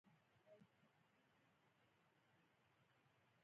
په کابل کې زابلي طالب وپيژانده چې پښتون عصمت قانع دی.